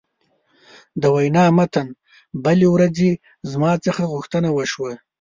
د وینا متن: بلې ورځې زما څخه غوښتنه وشوه.